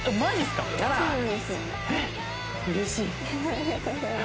ありがとうございます。